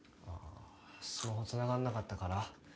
スマホつながんなかったから？